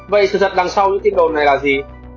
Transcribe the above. vậy sự thật đằng sau những tin đồn này là gì